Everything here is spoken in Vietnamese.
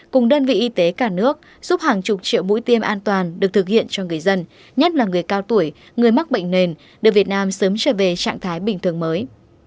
cùng đơn vị y tế cả nước giúp hàng chục triệu mũi tiêm an toàn được thực hiện cho người dân nhất là người cao tuổi người mắc bệnh nền đưa việt nam sớm trở về trạng thái bình thường mới